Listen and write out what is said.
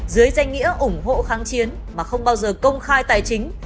dưới danh nghĩa ủng hộ kháng chiến mà không bao giờ công khai tài chính